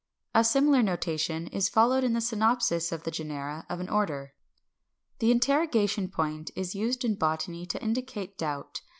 A similar notation is followed in the synopsis of the genera of an order. 578. The interrogation point is used in botany to indicate doubt.